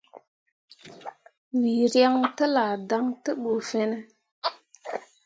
Wǝ ryaŋ tellah dan te ɓu fine ?